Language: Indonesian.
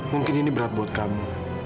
mungkin ini berat buat kamu